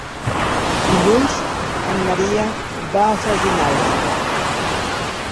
Dilluns en Maria va a Freginals.